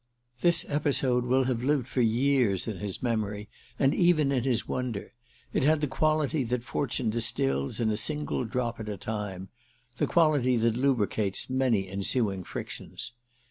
This episode will have lived for years in his memory and even in his wonder; it had the quality that fortune distils in a single drop at a time—the quality that lubricates many ensuing frictions.